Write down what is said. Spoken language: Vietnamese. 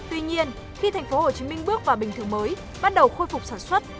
tuy nhiên khi thành phố hồ chí minh bước vào bình thường mới bắt đầu khôi phục sản xuất